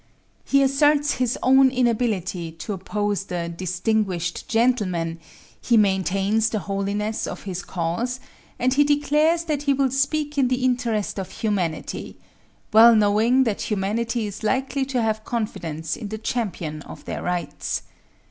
He asserts his own inability to oppose the "distinguished gentleman;" he maintains the holiness of his cause; and he declares that he will speak in the interest of humanity well knowing that humanity is likely to have confidence in the champion of their rights.